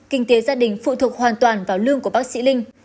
kinh tế gia đình phụ thuộc hoàn toàn vào lương của bác sĩ linh